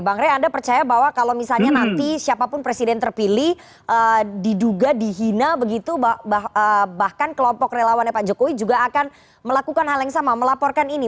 bang rey anda percaya bahwa kalau misalnya nanti siapapun presiden terpilih diduga dihina begitu bahkan kelompok relawannya pak jokowi juga akan melakukan hal yang sama melaporkan ini